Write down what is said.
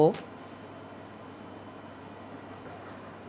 hãy đăng ký kênh để nhận thông tin nhất